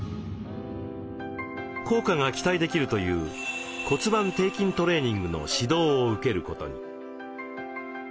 効果が期待できるという「骨盤底筋トレーニング」の指導を受けることに。